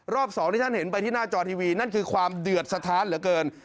สองที่ท่านเห็นไปที่หน้าจอทีวีนั่นคือความเดือดสะท้านเหลือเกิน